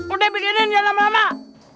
udah bikinin jalan lama lama